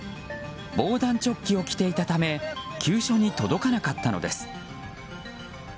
防弾チョッキを着ていたため急所に届かなかったのです。